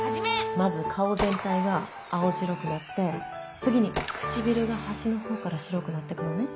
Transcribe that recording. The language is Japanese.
まず顔全体が青白くなって次に唇が端のほうから白くなってくのね。